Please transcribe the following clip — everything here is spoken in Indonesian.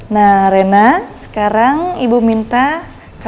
pulang kerja di rumah